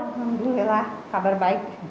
alhamdulillah kabar baik